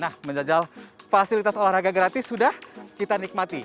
nah menjajal fasilitas olahraga gratis sudah kita nikmati